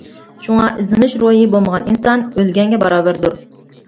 شۇڭا ئىزدىنىش روھى بولمىغان ئىنسان، ئۆلگەنگە باراۋەردۇر.